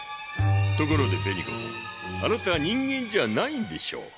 ところで紅子さん。あなた人間じゃないんでしょう。